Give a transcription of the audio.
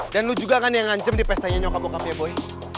dan lo juga kan yang ngajem di pesta nyokap bokapnya boy